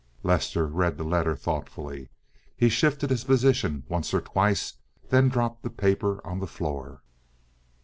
Lester read the letter thoughtfully. He shifted his position once or twice, then dropped the paper on the floor.